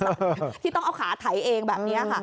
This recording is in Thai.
แล้วคุณป้าบอกรถคันเนี้ยเป็นรถคู่ใจเลยนะใช้มานานแล้วในการทำมาหากิน